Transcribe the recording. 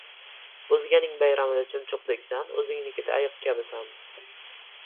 • O‘zganing bayramida chumchuqdeksan, o‘zingnikida ayiq kabisan.